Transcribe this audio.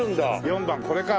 ４番これか。